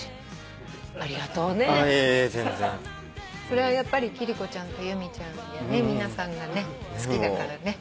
それはやっぱり貴理子ちゃんと由美ちゃんや皆さんがね好きだからね。